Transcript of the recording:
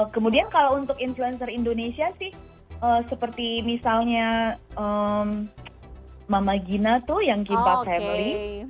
kemudian kalau untuk influencer indonesia sih seperti misalnya mama gina tuh yang kimpa family